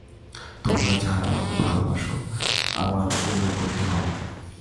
তোমরা যাহারা আমাকে ভালোবাস, আমার অনুবর্তী হও।